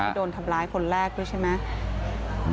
โดนทำร้ายคนแรกด้วยใช่ไหม